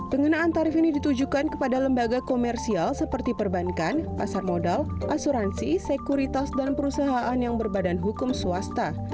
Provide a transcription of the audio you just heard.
pengenaan tarif ini ditujukan kepada lembaga komersial seperti perbankan pasar modal asuransi sekuritas dan perusahaan yang berbadan hukum swasta